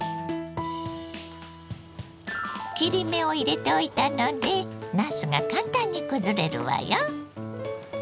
切り目を入れておいたのでなすが簡単にくずれるわよ。